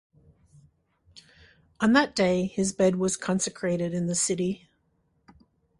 On that day, his bed was consecrated in the city.